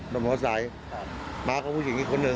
หมารถสายหมารถสาย